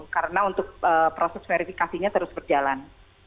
karena untuk proses verifikasinya terus berjalan